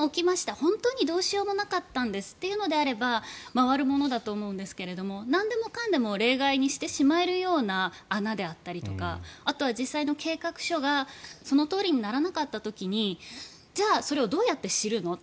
本当にどうしようもなかったんですというのであれば回るものだと思うんですけどなんでもかんでも例外にしてしまえるような穴であったりとかあとは実際の計画書がそのとおりにならなかった時にじゃあ、それをどうやって知るの？って。